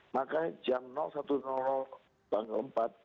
maka jam satu tanggal empat